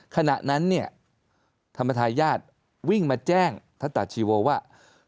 ขณะนั้นเนี่ยธรรมทายาทวิ่งมาแจ้งทัศตาชีโวว่า